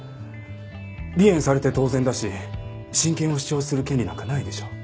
離縁されて当然だし親権を主張する権利なんかないでしょう。